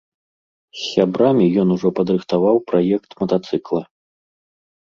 З сябрамі ён ужо падрыхтаваў праект матацыкла.